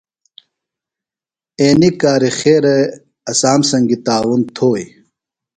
اینیۡ کار خیرے اسام سنگیۡ تعاون تھوئی۔